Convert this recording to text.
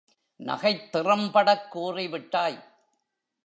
நகைத்திறம் படக் கூறிவிட்டாய்.